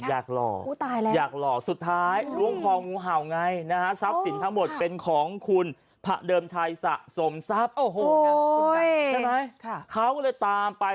อยากหล่ออยากหล่อสุดท้ายร่วงคลองงูเห่าไงทั้งสิ่งเป็นของคุณผ่าเดิมชายสะสมทรัพย์